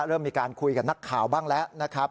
เริ่มมีการคุยกับนักข่าวบ้างแล้วนะครับ